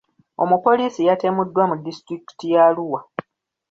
Omupoliisi yatemuddwa mu disitulikiti ya Arua.